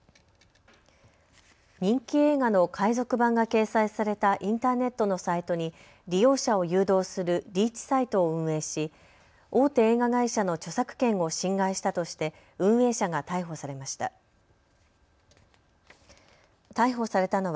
人気映画の海賊版が掲載されたインターネットのサイトに利用者を誘導するリーチサイトを運営し大手映画会社の著作権を侵害したとして、運営者が逮捕されました。